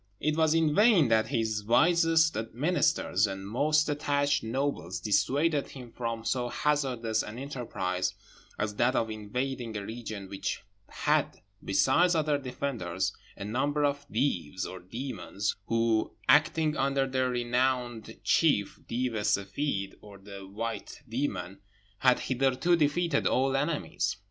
It was in vain that his wisest ministers and most attached nobles dissuaded him from so hazardous an enterprise as that of invading a region which had, besides other defenders, a number of Deevs, or demons, who, acting under their renowned chief, Deev e Seffeed, or the White Demon, had hitherto defeated all enemies.